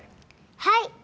はい！